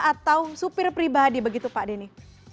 atau supir pribadi begitu pak denny